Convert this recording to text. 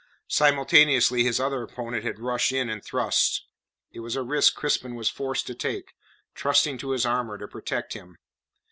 Simultaneously his other opponent had rushed in and thrust. It was a risk Crispin was forced to take, trusting to his armour to protect him.